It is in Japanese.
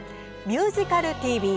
「ミュージカルＴＶ」。